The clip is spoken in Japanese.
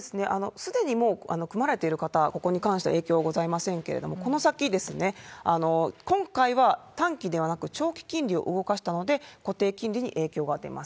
すでにもう組まれてる方、ここに関しては影響ございませんけれども、この先ですね、今回は短期ではなく長期金利を動かしたので、固定金利に影響が出ます。